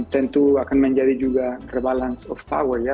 tentu akan menjadi juga rebalance of power ya